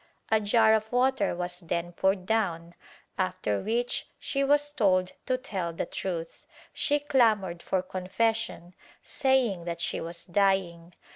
A jar of water was then poured down, after which she was told to tell the truth. She clamored for confession, saying that she was dying.